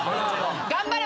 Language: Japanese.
頑張れ。